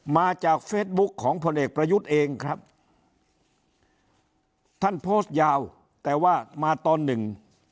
มาจากเฟซบุ๊คของพลเอกประยุทธ์เองครับท่านโพสต์ยาวแต่ว่ามาตอนหนึ่ง